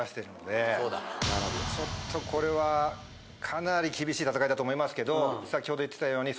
ちょっとこれはかなり厳しい戦いだと思いますけど先ほど言ってたように。